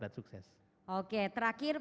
dan sukses oke terakhir